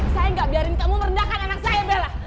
saya gak biarin kamu merendahkan anak saya bella